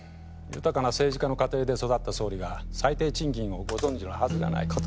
豊かな政治家の家庭で育った総理が最低賃金をご存じのはずがない。